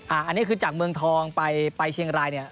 อันนี้คือจากเมืองทองไปเชียงรายเนี่ย